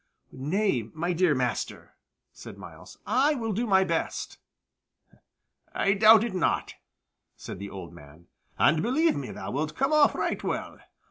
"Nay, my dear master," said Myles; "I will do my best." "I doubt it not," said the old man; "and I believe me thou wilt come off right well.